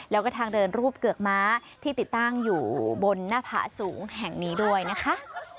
แล้วก็ทางเดินรูปเกือกม้าที่ติดตั้งอยู่บนหน้าผาสูงแห่งนี้ด้วยนะคะ